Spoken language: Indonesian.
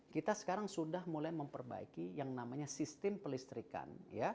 kita sekarang sudah mulai memperbaiki yang namanya sistem pelistrikan